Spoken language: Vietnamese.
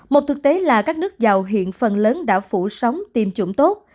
một thực tế là các nước giàu hiện phần lớn đã phủ sóng tiêm chủng tốt